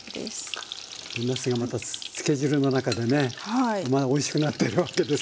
なすがまたつけ汁の中でねまあおいしくなってるわけですよね。